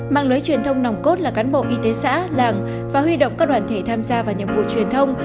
mạng lưới truyền thông nòng cốt là cán bộ y tế xã làng và huy động các đoàn thể tham gia vào nhiệm vụ truyền thông